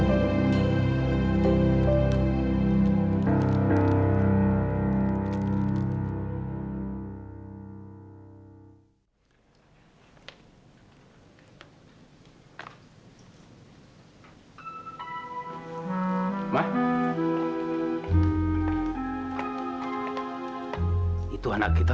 sampai bukti akhir